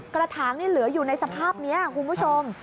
กระถางเหลืออยู่ในสภาพนี้คุณผู้ชม